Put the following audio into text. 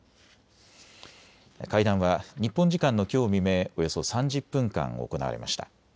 会談は日本時間のきょう未明、およそ３０分間行われました。